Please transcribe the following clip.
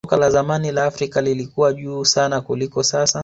soka la zamani la afrika lilikuwa juu sana kuliko sasa